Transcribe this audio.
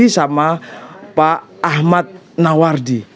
sama pak ahmad nawardi